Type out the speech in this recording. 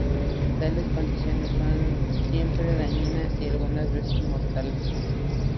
Tales condiciones son siempre dañinas y algunas veces mortales.